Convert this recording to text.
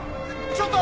ちょっと！